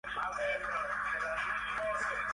Murió en Perth, Escocia.